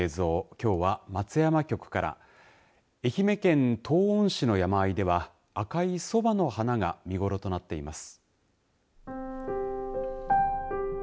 きょうは松山局から愛媛県東温市の山あいでは赤いそばの花が見頃となっています。